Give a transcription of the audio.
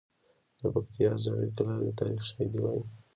د پکتیا زړې کلاوې د تاریخ شاهدي وایي.